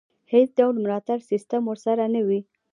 هېڅ ډول ملاتړی سیستم ورسره نه وي.